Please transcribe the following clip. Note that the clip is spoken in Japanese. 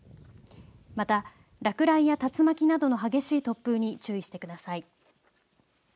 また落雷や竜巻などの激しい突風に注意してください。